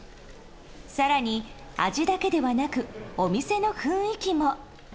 更に、味だけではなくお店の雰囲気も。